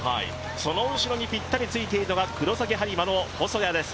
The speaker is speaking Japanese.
その後にぴったりついているのが黒崎播磨の細谷です。